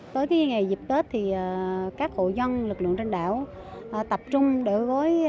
tới ngày dịp tết thì các hộ dân lực lượng trên đảo tập trung đối với